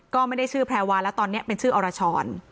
ก็ไม่ได้ชื่อแพรวาแล้วตอนนี้เป็นชื่ออรชร